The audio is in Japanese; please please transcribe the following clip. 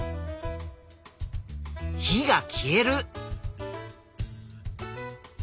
火が消える。